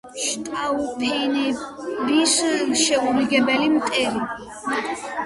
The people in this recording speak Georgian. შტაუფენების შეურიგებელი მტერი.